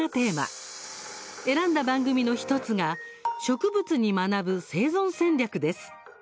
選んだ番組の１つが「植物に学ぶ生存戦略」です。